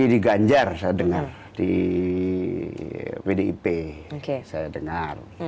di ganjar saya dengar di pdip saya dengar